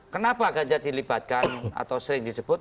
kenapa ganjar dilibatkan atau sering disebut